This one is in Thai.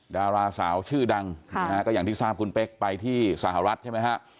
ดาราสาวชื่อดังก็อย่างที่ทราบคุณเป๊กไปที่สหรัฐใช่ไหมฮะ